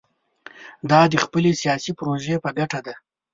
دا د خپلې سیاسي پروژې په ګټه ده.